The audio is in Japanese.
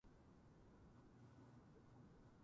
キーボードのエンターキーだけが少しすり減っている。